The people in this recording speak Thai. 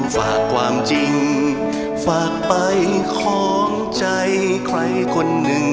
ฝากความจริงฝากไปของใจใครคนหนึ่ง